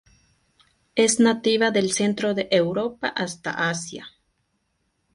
Es nativa del centro de Europa hasta Asia.